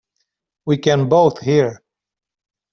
We can both hear.